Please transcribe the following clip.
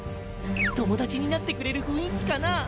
友達になってくれる雰囲気かな？